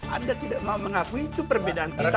anda tidak mau mengakui itu perbedaan kita